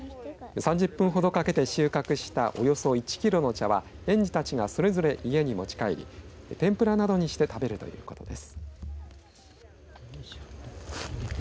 ３０分ほどかけて収穫したおよそ１キロの茶は園児たちがそれぞれ家に持ち帰り天ぷらなどにして食べるということです。